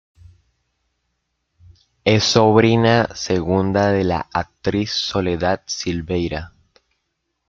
Es sobrina segunda de la actriz Soledad Silveyra.